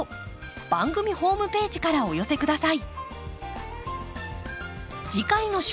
番組ホームページからお寄せ下さい。